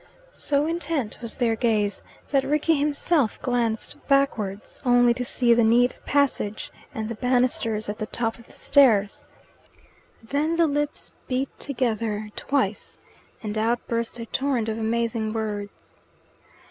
So intent was their gaze that Rickie himself glanced backwards, only to see the neat passage and the banisters at the top of the stairs. Then the lips beat together twice, and out burst a torrent of amazing words.